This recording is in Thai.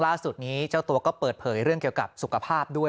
ล่าสุดนี้เจ้าตัวก็เปิดเผยเรื่องเกี่ยวกับสุขภาพด้วย